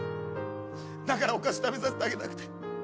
だからお菓子食べさせてあげたくて。